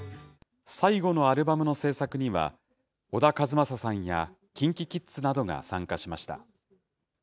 最後のアルバムの制作には、小田和正さんやＫｉｎＫｉＫｉｄｓなどが参加しました。